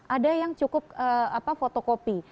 ada yang cukup fotokopi